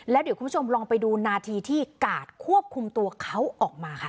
แล้วเดี๋ยวคุณผู้ชมลองไปดูนาทีที่กาดควบคุมตัวเขาออกมาค่ะ